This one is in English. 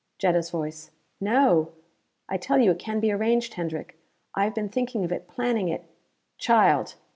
Jetta's voice: "No! I tell you it can be arranged, Hendrick. I have been thinking of it, planning it " "Child!